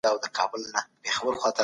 څنګه تېري ترخې خاطرې تر شا پرېږدو؟